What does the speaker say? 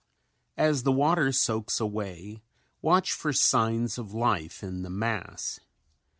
As the water soaks away watch for signs of life in the mass.